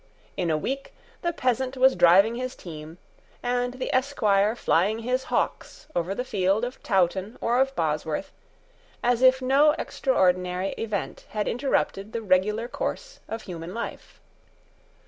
In a week the peasant was driving his team and the esquire flying his hawks over the field of Towton or of Bosworth, as if no extraordinary event had interrupted the regular course of human life.